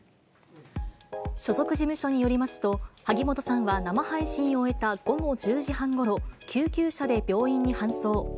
所属事務所によりますと、萩本さんは生配信を終えた午後１０時半ごろ、救急車で病院に搬送。